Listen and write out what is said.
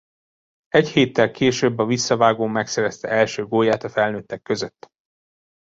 Egy héttel később a visszavágón megszerezte első gólját a felnőttek között.